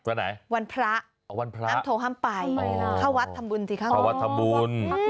วันไหนวันพระห้ามโทรห้ามไปข้าววัดทำบุญสิข้าววัดทำบุญ